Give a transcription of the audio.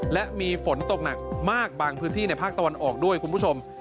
และมีฝนตกหนักมากบางพื้นที่ในภาคตะวันออกด้วยคุณผู้ชม